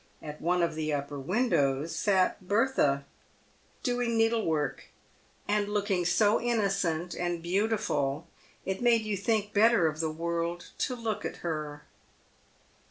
At one of the upper windows sat Bertha, doing needlework, and looking so innocent and beautiful it made you think better of the world to look at her.